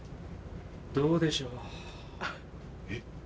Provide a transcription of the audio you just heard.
どうでしょう？えっ。